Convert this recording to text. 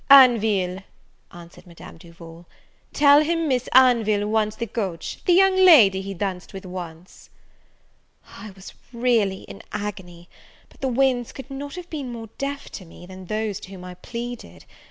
"Anville," answered Madame Duval; "tell him Miss Anville wants the coach; the young lady he danced with once." I was really in an agony; but the winds could not have been more deaf to me, than those to whom I pleaded!